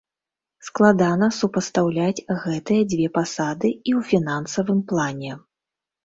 Складана супастаўляць гэтыя дзве пасады і ў фінансавым плане.